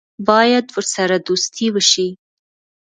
باید ورسره دوستي وشي.